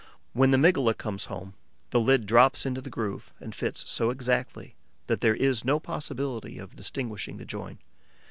When the Mygale comes home, the lid drops into the groove and fits so exactly that there is no possibility of distinguishing the join.